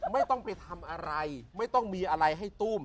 ไม่ต้องไปทำอะไรไม่ต้องมีอะไรให้ตุ้ม